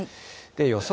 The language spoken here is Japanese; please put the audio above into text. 予想